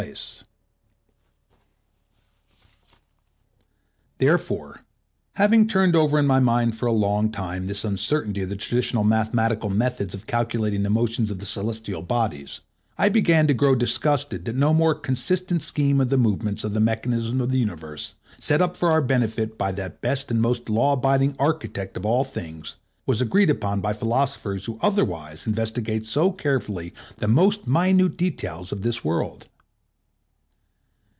Therefore, having turned over in my mind for a long time this uncertainty of the traditional mathematical methods of calculating the motions of the celestial bodies, I began to grow disgusted that no more consistent scheme of the movements of the mechanism of the universe, set up for our benefit by that best and most law abiding Architect of all things, was agreed upon by philosophers who otherwise investigate so carefully the most minute details of this world.